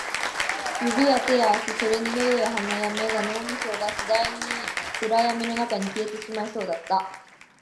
指や手や足、それに喉や鼻や目や脳みそが、次第に暗闇の中に消えてしまいそうだった